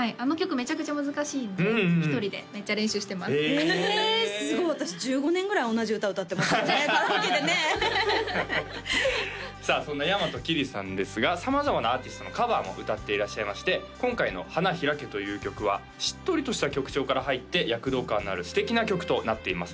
めちゃくちゃ難しいんで１人でめっちゃ練習してますへえすごい私１５年ぐらい同じ歌歌ってますカラオケでねさあそんな大和きりさんですが様々なアーティストのカバーも歌っていらっしゃいまして今回の「ハナヒラケ」という曲はしっとりとした曲調から入って躍動感のある素敵な曲となっています